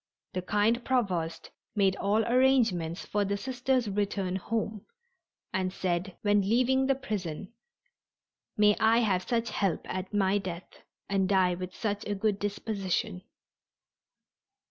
The kind Provost made all arrangements for the Sisters' return home, and said, when leaving the prison: "May I have such help at my death and die with such a good disposition."